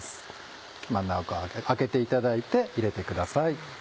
真ん中空けていただいて入れてください。